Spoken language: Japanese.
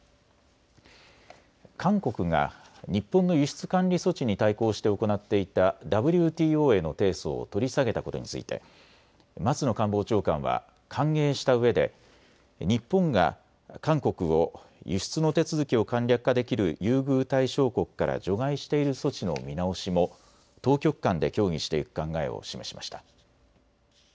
韓国が日本の輸出管理措置に対抗して行っていたＷＴＯへの提訴を取り下げたことについて松野官房長官は歓迎したうえで日本が韓国を輸出の手続きを簡略化できる優遇対象国から除外している措置の見直しも当局間で協議していく考えを示しました。